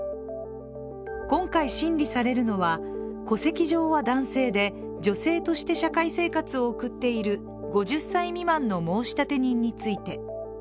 今回、審理されるのは戸籍上は男性で女性として社会生活を送っている５０歳未満の申立人について。